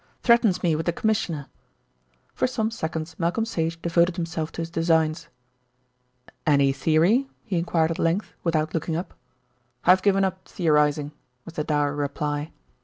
Threatens me with the Commissioner." For some seconds Malcolm Sage devoted himself to his designs. "Any theory?" he enquired at length, without looking up. "I've given up theorising," was the dour reply.